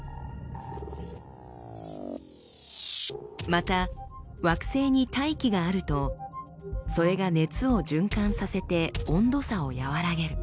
また惑星に大気があるとそれが熱を循環させて温度差を和らげる。